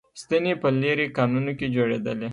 ستنې په لېرې کانونو کې جوړېدلې